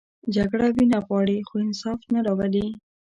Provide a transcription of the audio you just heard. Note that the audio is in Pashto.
جګړه وینه غواړي، خو انصاف نه راولي